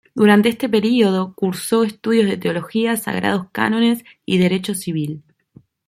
Durante este período, cursó estudios de Teología, Sagrados Cánones y Derecho Civil.